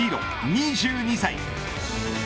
２２歳。